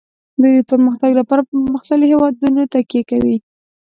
دوی د پرمختګ لپاره په پرمختللو هیوادونو تکیه کوي